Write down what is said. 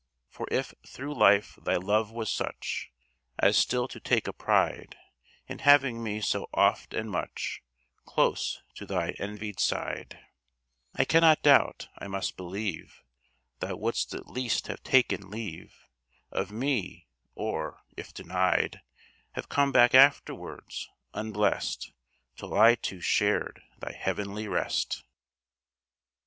For if through life thy love was such As still to take a pride In having me so oft and much Close to thy envied side, I cannot doubt, I must believe, Thou wouldst at least have taken leave Of me; or, if denied, Have come back afterwards, unblest Till I too shared thy heavenly rest.